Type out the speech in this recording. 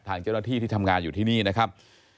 ทางเจ้าหน้าที่ที่ทำงานอยู่ที่นี่นะครับ